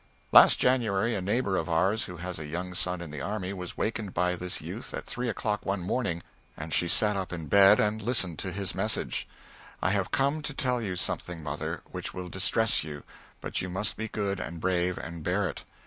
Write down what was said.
Last January a neighbor of ours who has a young son in the army was wakened by this youth at three o'clock one morning, and she sat up in bed and listened to his message: "I have come to tell you something, mother, which will distress you, but you must be good and brave, and bear it.